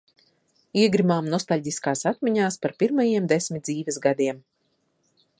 Iegrimām nostaļģiskās atmiņās par pirmajiem desmit dzīves gadiem.